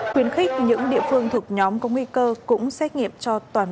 khuyến khích những địa phương thuộc nhóm có nguy cơ cũng xét nghiệm cho toàn bộ người lao động